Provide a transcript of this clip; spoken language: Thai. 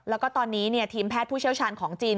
แล้วก็ตอนนี้ทีมแพทย์ผู้เชี่ยวชาญของจีน